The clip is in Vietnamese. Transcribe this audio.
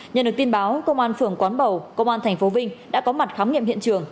nhận được tin báo công an phường quán bầu công an tp vinh đã có mặt khám nghiệm hiện trường